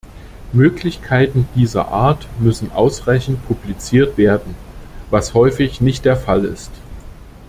Möglichkeiten dieser Art müssen ausreichend publiziert werden, was häufig nicht der Fall ist.